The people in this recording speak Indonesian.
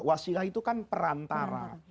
wasilah itu kan perantara